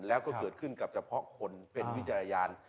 แล้วก็เกิดขึ้นกับเฉพาะคนเป็นวิจารณญาณ